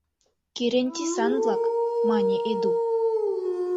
— Кӱрен тӱсан-влак, — мане Эду.